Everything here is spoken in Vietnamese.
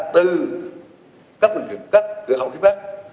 từ các cửa khẩu phía bắc